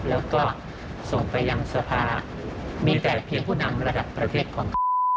แล้วก็ส่งไปยังสภามีแต่เพียงผู้นำระดับประเทศก่อน